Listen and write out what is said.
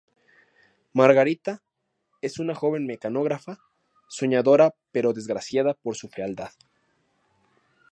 Margarita es una joven mecanógrafa, soñadora pero desgraciada por su fealdad.